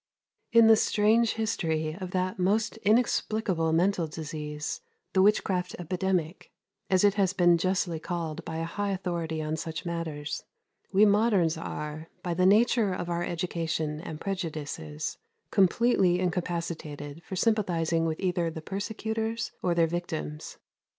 80. In the strange history of that most inexplicable mental disease, the witchcraft epidemic, as it has been justly called by a high authority on such matters, we moderns are, by the nature of our education and prejudices, completely incapacitated for sympathizing with either the persecutors or their victims.